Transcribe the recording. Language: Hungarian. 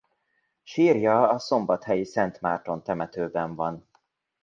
Sírja a szombathelyi Szent Márton temetőben van.